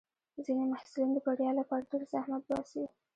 ځینې محصلین د بریا لپاره ډېر زحمت باسي.